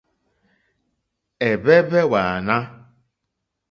Ɛ̀hwɛ́hwɛ́ wààná.